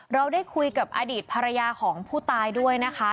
เราได้คุยกับอดีตภรรยาของผู้ตายด้วยนะคะ